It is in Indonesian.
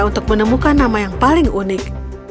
untuk menemukan nama yang paling unik